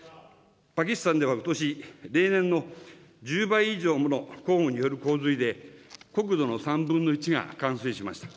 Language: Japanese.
パキスタンではことし、例年の１０倍以上もの豪雨による洪水で、国土の３分の１が冠水しました。